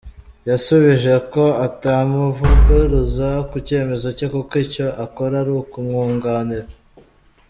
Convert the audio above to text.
Yasubije ko atamuvuguruza ku cyemezo cye kuko icyo akora ari ukumwunganira.